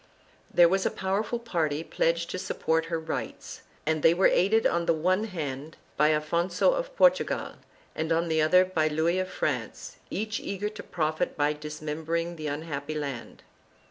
1 There was a powerful party pledged to support her rights, and they were aided on the one hand by Affonso of Por tugal and on the other by Louis of France, each eager to profit by dismembering the unhappy land.